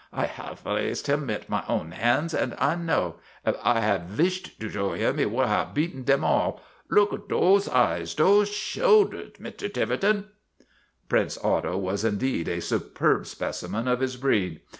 I haf raised him mit my own hands and I know. If I had vished to show him he could have beaten dem all. Look at dose eyes, dose shoulders, Mr. Tiverton !' Prince Otto was indeed a superb specimen of his breed.